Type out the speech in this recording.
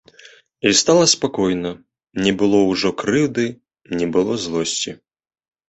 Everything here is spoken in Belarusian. І стала спакойна, не было ўжо крыўды, не было злосці.